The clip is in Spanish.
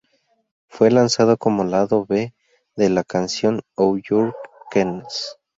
Fue lanzado como lado B de la canción "On Your Knees".